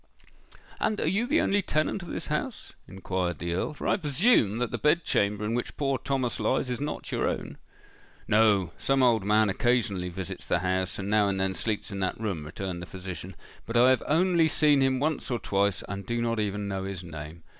"And are you the only tenant of this house?" inquired the Earl; "for I presume that the bed chamber in which poor Thomas lies is not your own." "No: some old man occasionally visits the house, and now and then sleeps in that room," returned the physician. "But I have only seen him once or twice and do not even know his name.